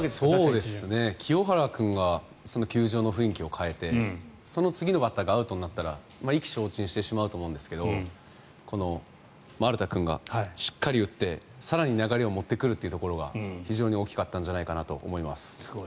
清原君が球場の雰囲気を変えてその次のバッターがアウトになったら意気消沈してしまうと思うんですけど丸田君がしっかり打って更に流れを持ってくるというところが非常に大きかったんじゃないかと思います。